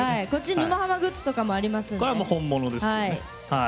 「沼ハマ」グッズとかもありますので。